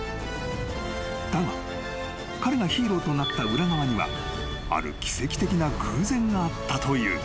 ［だが彼がヒーローとなった裏側にはある奇跡的な偶然があったという］